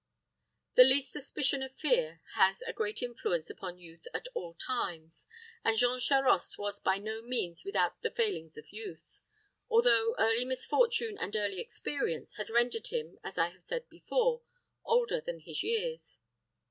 The least suspicion of fear has a great influence upon youth at all times, and Jean Charost was by no means without the failings of youth, although early misfortune and early experience had rendered him, as I have before said, older than his years.